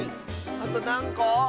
あとなんこ？